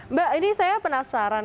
mbak ini saya penasaran